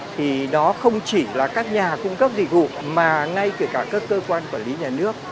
thì đó không chỉ là các nhà cung cấp dịch vụ mà ngay kể cả các cơ quan quản lý nhà nước